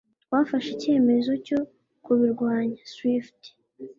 Twafashe icyemezo cyo kubirwanya (Swift)